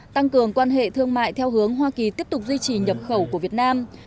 tăng cường quan hệ thương mại theo hướng hoa kỳ tiếp tục duy trì nhập khẩu của việt nam